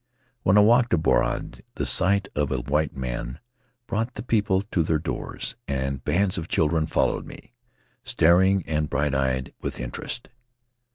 TVhen I walked abroad the sight of a white man brought the people to their doors, and bands of children followed me, staring and bright eyed, with interest.